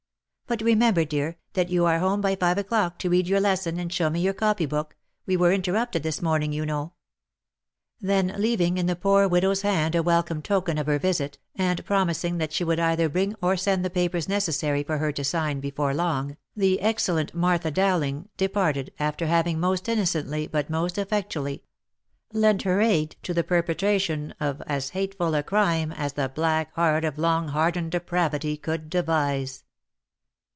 But remember, dear, that you are home by five o'clock to read your lesson and show me your copy book, we were interrupted this morning you know." Then leaving in the poor widow's hand a welcome token of her visit, and promising that she would either bring or send the papers necessary for her to sign, before long, the excellent Martha Dowling departed, after having most innocently, but most effectually, lent her aid to the perpetration of as hateful a crime, as the black heart of long hardened depravity could devise.